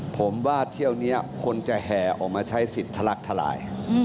ผมว่าเที่ยวนี้คนจะแห่ออกมาใช้สิทธิ์ทะลักทลาย